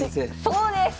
そうです！